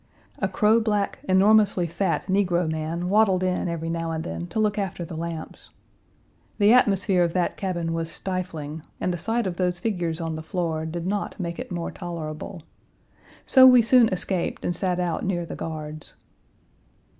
A crow black, enormously fat negro man waddled in every now and then to look after the lamps. The atmosphere of that cabin was stifling, and the sight of those figures on the floor did not make it more tolerable. So we soon escaped and sat out near the guards.